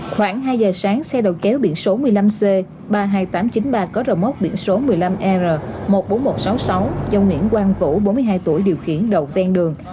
khoảng hai giờ sáng xe đầu kéo biển số một mươi năm c ba mươi hai nghìn tám trăm chín mươi ba có remote biển số một mươi năm r một mươi bốn nghìn một trăm sáu mươi sáu do nguyễn quang vũ bốn mươi hai tuổi